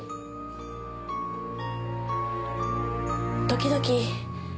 時々。